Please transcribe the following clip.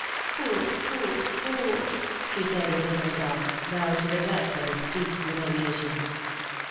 '^ Fool, fool, fool,^^ she said within herself, bowed to the dust by this deep humiliation.